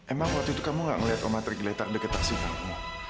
emang waktu itu kamu gak ngeliat oma tergeletak deket taksi kamu